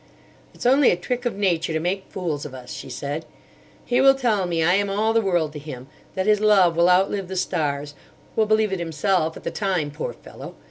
"It's only a trick of Nature to make fools of us," she said. "He will tell me I am all the world to him; that his love will outlive the stars—will believe it himself at the time, poor fellow!